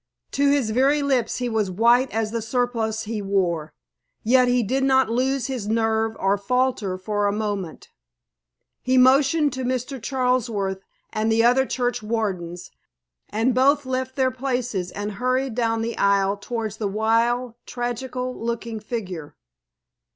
To his very lips he was white as the surplice he wore. Yet he did not lose his nerve or falter for a moment. He motioned to Mr. Charlsworth and the other church wardens, and both left their places and hurried down the aisle towards the wild, tragical looking figure.